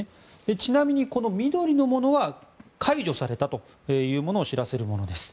ちなみに緑のものは解除されたというものを知らせるものです。